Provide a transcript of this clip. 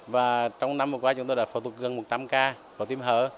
và trong năm qua chúng ta đã phẫu thuật gần một trăm linh ca của tiêm hở